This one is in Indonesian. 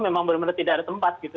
memang benar benar tidak ada tempat gitu